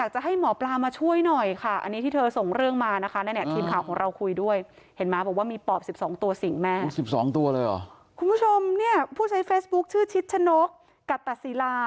ชิถส์ฉนกกรัตสีลา